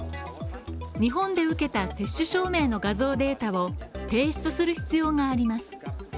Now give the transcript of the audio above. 日本で受けた接種証明の画像データを提出する必要があります。